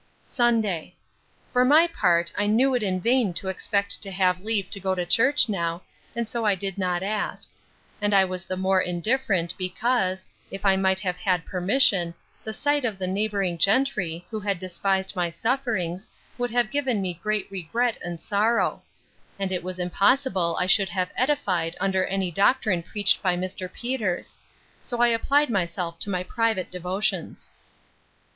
Sunday. For my part, I knew it in vain to expect to have leave to go to church now, and so I did not ask; and I was the more indifferent, because, if I might have had permission, the sight of the neighbouring gentry, who had despised my sufferings, would have given me great regret and sorrow; and it was impossible I should have edified under any doctrine preached by Mr. Peters: So I applied myself to my private devotions.